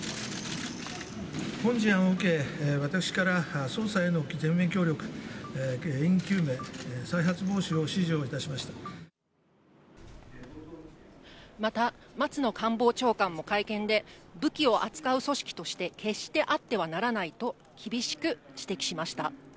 本事案を受け、私から捜査への全面協力、原因究明、また、松野官房長官も会見で、武器を扱う組織として決してあってはならないと厳しく指摘しました。